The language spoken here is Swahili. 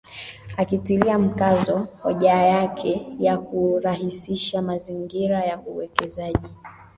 Akitilia mkazo hoja yake ya kurahisisha mazingira ya uwekezaji